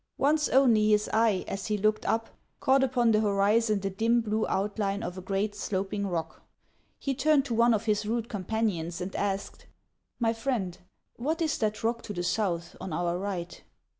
Once only his eye, as he looked up, caught upon the horizon the dim, blue outline of a great sloping rock. He turned to one of his rude companions, and asked, "My friend, what is that rock to the south, on our right